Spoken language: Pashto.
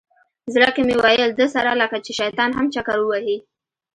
زړه کې مې ویل ده سره لکه چې شیطان هم چکر ووهي.